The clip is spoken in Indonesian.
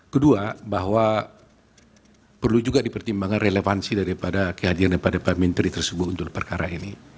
kedua bahwa perlu juga dipertimbangkan relevansi daripada kehadiran daripada pak menteri tersebut untuk perkara ini